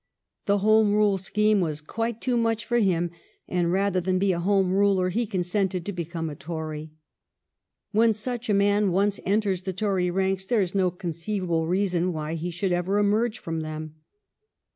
The Home Rule scheme was quite too much for him, and rather than be a Home Ruler he consented to become a Tory. When such a man once enters the Tory ranks there is no conceivable reason why he should ever emerge from them.